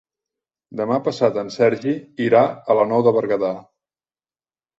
Demà passat en Sergi irà a la Nou de Berguedà.